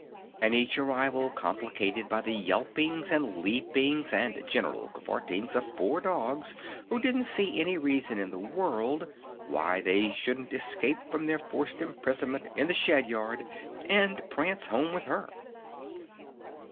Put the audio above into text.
And each arrival complicated by the yelpings and leapings and general cavortings of four dogs who didn't see any reason in the world why they shouldn't escape from their forced imprisonment in the shed yard and prance home with her.